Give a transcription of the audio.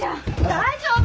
大丈夫？